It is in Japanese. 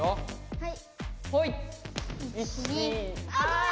はい。